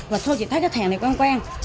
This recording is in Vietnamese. mà thôi chị thấy cái thèn này quen quen